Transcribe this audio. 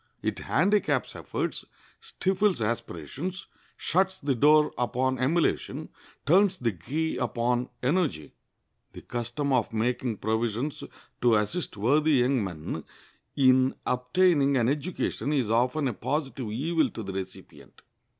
It handicaps efforts, stifles aspirations, shuts the door upon emulation, turns the key upon energy." The custom of making provisions to assist worthy young men in obtaining an education is often a positive evil to the recipient.